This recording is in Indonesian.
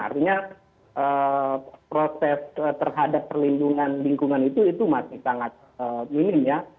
artinya proses terhadap perlindungan lingkungan itu masih sangat minim ya